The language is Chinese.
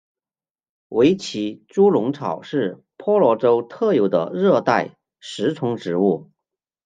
维奇猪笼草是婆罗洲特有的热带食虫植物。